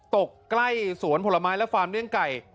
ตกใกล้สวนผลไม้และฟาร์มเลี่ยงไก่